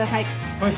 はい。